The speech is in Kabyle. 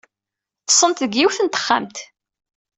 Ḍḍsent deg yiwet n texxamt.